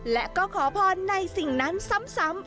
และก็ขอพรในสิ่งนั้นซ้ำ